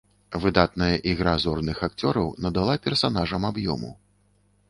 Выдатная ігра зорных акцёраў надала персанажам аб'ёму.